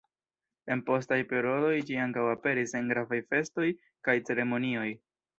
En postaj periodoj ĝi ankaŭ aperis en gravaj festoj kaj ceremonioj.